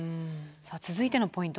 続いてのポイントは？